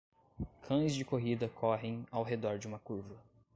Cães de corrida correm ao redor de uma curva.